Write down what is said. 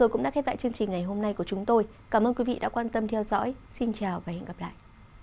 cảm ơn các bạn đã theo dõi và hẹn gặp lại